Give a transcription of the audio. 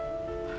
dan lain dari itu